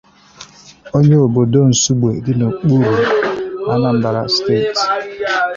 onye obodo Nsugbe dị n'okpuru Anambra East